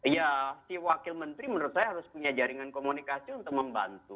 ya si wakil menteri menurut saya harus punya jaringan komunikasi untuk membantu